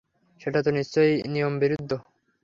সেটা তো নিশ্চয় নিয়মবিরুদ্ধ।